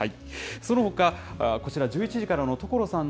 そのほか、こちら１１時からの所さん！